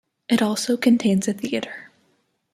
It also contains a theatre.